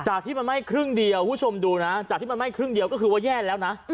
ที่มันไหม้ครึ่งเดียวคุณผู้ชมดูนะจากที่มันไหม้ครึ่งเดียวก็คือว่าแย่แล้วนะ